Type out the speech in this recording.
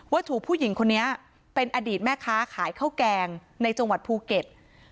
ว่าถูกผู้หญิงคนนี้เป็นอดีตแม่ค้าขายข้าวแกงในจังหวัดภูเก็ต